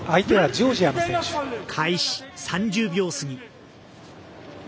開始３０秒すぎ。